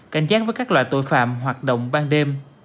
canh chán với các loại tội phạm hoạt động ban đêm